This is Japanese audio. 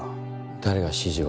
誰が指示を？